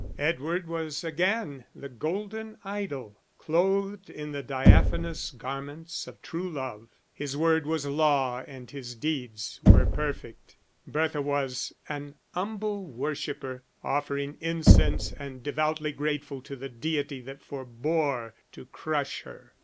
Edward was again the golden idol, clothed in the diaphanous garments of true love, his word was law and his deeds were perfect; Bertha was an humble worshipper, offering incense and devoutly grateful to the deity that forbore to crush her.